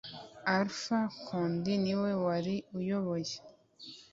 Alpha Condé niwe wari uyoboye